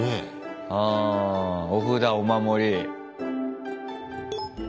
あお札お守り。